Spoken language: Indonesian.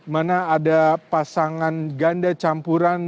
mana ada pasangan ganda campuran